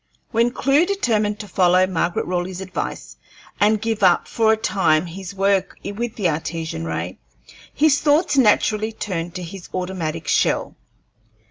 When Clewe determined to follow Margaret Raleigh's advice and give up for a time his work with the Artesian ray, his thoughts naturally turned to his automatic shell.